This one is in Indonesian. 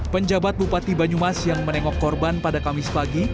penjabat bupati banyumas yang menengok korban pada kamis pagi